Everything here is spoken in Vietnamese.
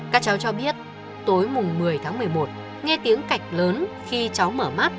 các cháu cho biết tối mùng một mươi tháng một mươi một nghe tiếng cạch lớn khi cháu mở mắt